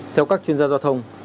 theo các chuyên gia giao thông